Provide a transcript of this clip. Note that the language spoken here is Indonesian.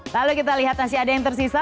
lalu kita lihat masih ada yang tersisa